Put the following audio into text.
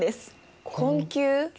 困窮？